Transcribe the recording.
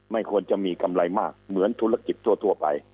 ไม่ควรจะมีกำไรมากเหมือนธุรกิจทั่วไป